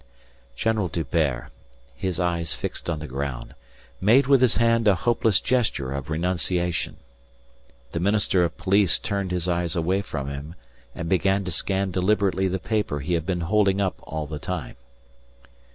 General D'Hubert, his eyes fixed on the ground, made with his hand a hopeless gesture of renunciation. The Minister of Police turned his eyes away from him and began to scan deliberately the paper he had been holding up all the time.